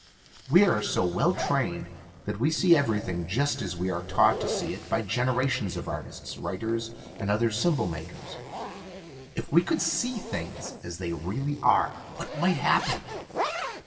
We are so well trained that we see everything just as we are taught to see it by generations of artists, writers, and other symbol makers. If we could see things as they really are, what might happen?"